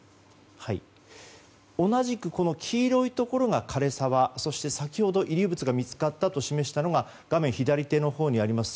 同じく黄色いところが枯れ沢そして、先ほど遺留物が見つかったと示したのが画面左手のほうにあります